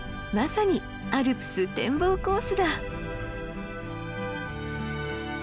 まさにアルプス展望コースだ！